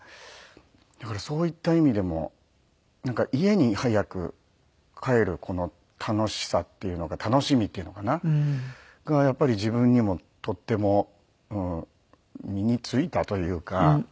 だからそういった意味でも家に早く帰るこの楽しさっていうのが楽しみっていうのかな？がやっぱり自分にもとっても身についたというか。